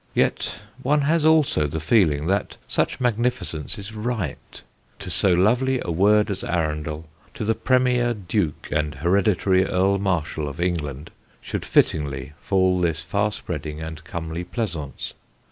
Yet one has also the feeling that such magnificence is right: to so lovely a word as Arundel, to the Premier Duke and Hereditary Earl Marshal of England, should fittingly fall this far spreading and comely pleasaunce.